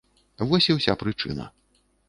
Вось і ўся прычына.